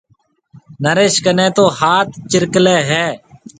نريش ڪنَي تو هات چرڪلَي هيَ۔